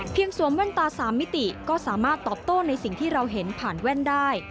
สวมแว่นตา๓มิติก็สามารถตอบโต้ในสิ่งที่เราเห็นผ่านแว่นได้